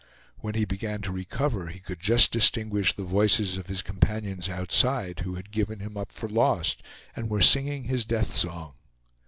When he began to recover, he could just distinguish the voices of his companions outside, who had given him up for lost, and were singing his death song.